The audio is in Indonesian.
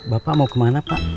bapak mau kemana pak